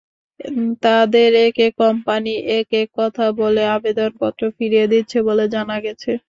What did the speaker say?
তাঁদের একেক কোম্পানি একেক কথা বলে আবেদনপত্র ফিরিয়ে দিচ্ছে বলে জানা গেছে।